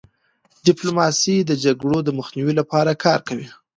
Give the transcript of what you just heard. ډيپلوماسي د جګړو د مخنیوي لپاره کار کوي.